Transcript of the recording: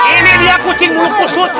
ini dia kucing mulut